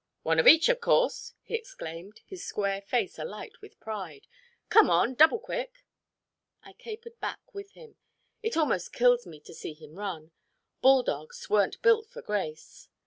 "One of each, of course," he exclaimed, his square face alight with pride. "Come on, double quick." I capered back with him it almost kills me to see him run bull dogs weren't built for grace.